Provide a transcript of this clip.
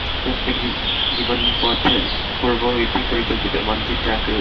প্রত্যেকের জীবনপথ পূর্ব হইতেই পরিকল্পিত, মানচিত্রে আঁকা রহিয়াছে।